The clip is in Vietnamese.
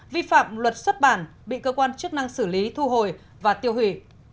vi phạm luật xuất bản bị cơ quan chức năng xử lý thu hồi và tiêu hủy